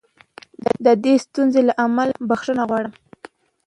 د دې ستونزې له امله بښنه غواړم.